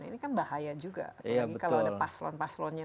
ini kan bahaya juga apalagi kalau ada paslon paslonnya